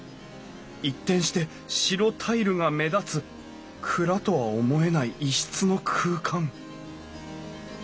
一転して白タイルが目立つ蔵とは思えない異質の空間